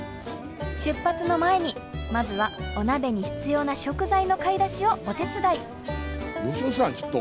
出発の前にまずはお鍋に必要な食材の買い出しをお手伝い。